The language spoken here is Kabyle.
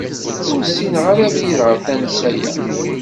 Ur ssineɣ ara abrid ɣer tansa-a.